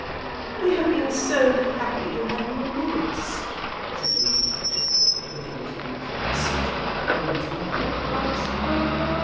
"We have been so happy to have you among us," said Lady Cantrip, looking at him with beseeching, almost loving eyes.